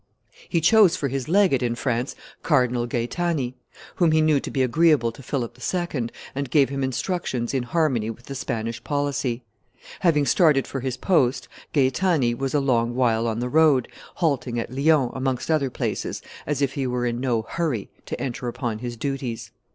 He chose for his legate in France Cardinal Gaetani, whom he knew to be agreeable to Philip II. and gave him instructions in harmony with the Spanish policy. Having started for his post, Gaetani was a long while on the road, halting at Lyons, amongst other places, as if he were in no hurry to enter upon his duties.